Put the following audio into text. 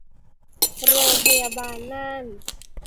โรงพยาบาลน่าน